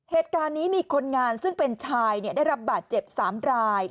เหตุการณ์นี้มีคนงานซึ่งเป็นชายได้รับบาดเจ็บ๓ราย